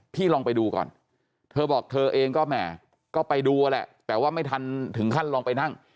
ลองไปดูก่อนเธอบอกเธอเองก็แหมก็ไปดูแหละแต่ว่าไม่ทันถึงขั้นลองไปนั่ง